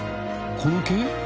この毛？